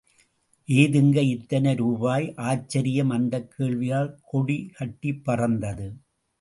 ஏதுங்க இத்தனை ரூபாய்? ஆச்சரியம் அந்தக் கேள்வியில் கொடி கட்டிப் பறந்தது.